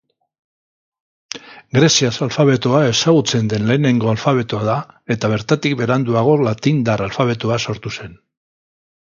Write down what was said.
Greziar alfabetoa ezagutzen den lehenengo alfabetoa da eta bertatik beranduago latindar alfabetoa sortu zen.